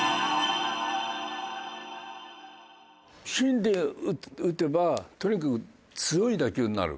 芯で打てばとにかく強い打球になる。